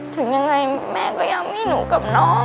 ถึงยังไงแม่ก็ยังมีหนูกับน้อง